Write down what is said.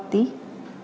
ibu putri chandrawati